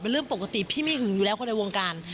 เรื่องปกติพี่ไม่หึงอยู่แล้วคนในวงการ